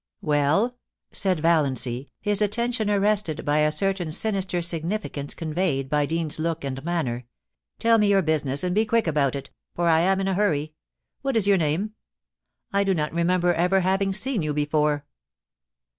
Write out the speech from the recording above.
* Well,' said Vallancy, his attention arrested by a certain sinister significance conveyed by Deans's look and manner, * tell me your business, and be quick about it, for I am in a hurry. WTiat is your name ? I do not remember ever having seen you before.'